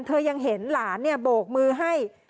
เธอยังเห็นหลานเนี่ยโบกมือให้